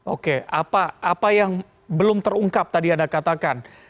oke apa yang belum terungkap tadi anda katakan